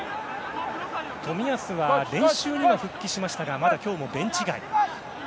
冨安は練習には復帰しましたがまだ今日もベンチ外。